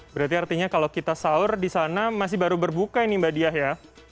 berarti artinya kalau kita sahur di sana masih baru berbuka ini mbak diah ya